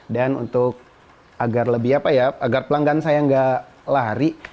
dan untuk agar lebih apa ya agar pelanggan saya nggak lari